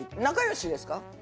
仲よしですか？